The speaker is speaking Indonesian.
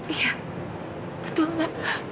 iya betul ma